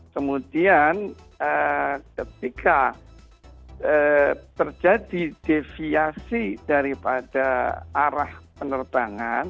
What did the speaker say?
kemudian ketika terjadi deviasi daripada arah penerbangan